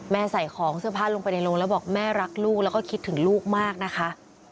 ใส่ของเสื้อผ้าลงไปในโรงแล้วบอกแม่รักลูกแล้วก็คิดถึงลูกมากนะคะ